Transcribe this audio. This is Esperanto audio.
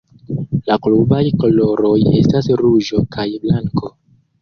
La klubaj koloroj estas ruĝo kaj blanko.